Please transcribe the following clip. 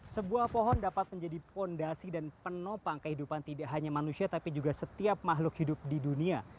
sebuah pohon dapat menjadi fondasi dan penopang kehidupan tidak hanya manusia tapi juga setiap makhluk hidup di dunia